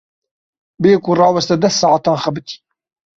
Bêyî ku raweste deh saetan xebitî.